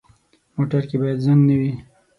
موټر کې باید زنګ نه وي.